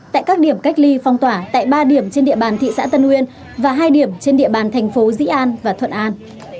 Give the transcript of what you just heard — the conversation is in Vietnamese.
tại các điểm cách ly phong tỏa tại ba điểm trên địa bàn thị xã tân uyên và hai điểm trên địa bàn thành phố dĩ an và thuận an